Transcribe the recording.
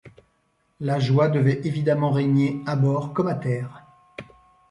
La joie devait évidemment régner à bord comme à terre.